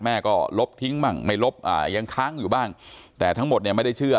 แม่ก็ลบทิ้งบ้างไม่ลบอ่ายังค้างอยู่บ้างแต่ทั้งหมดเนี่ยไม่ได้เชื่อ